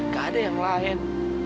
gak ada yang lain